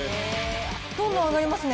どんどん上がりますね。